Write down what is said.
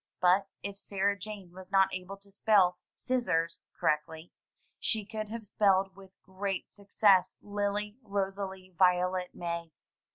But if Sarah Jane was not able to spell scissors correctly, she could have spelled with great success Lily Rosalie Violet May.